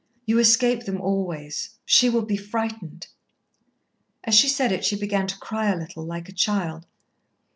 You escape them always. She will be frightened." As she said it she began to cry a little, like a child.